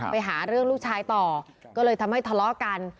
ไปหาเรื่องลูกชายต่อก็เลยทำให้ทะเลาะกัน